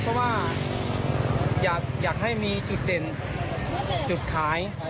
เพราะว่าอยากให้มีจุดเด่นจุดขาย